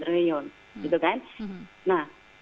gitu kan nah